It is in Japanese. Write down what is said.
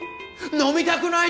飲みたくない？